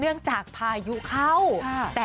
เนื่องจากพายุเข้า